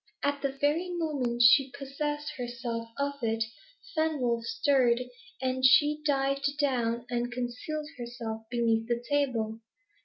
At the very moment she possessed herself of it, Fenwolf stirred, and she dived down, and concealed herself beneath the table.